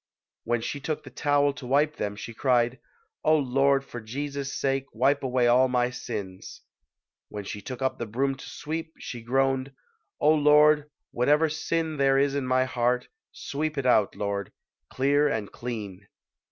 When she took the towel to wipe them, she cried, "O Lord, for Jesus' sake, wipe away all my sins". When she took up the broom to sweep, she groaned, "O Lord, whatever sin there is in my heart, sweep it out, Lord, clear and clean".